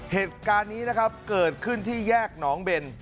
เหตุการณ์นี้นะครับเกิดขึ้นที่แยกหนองเบน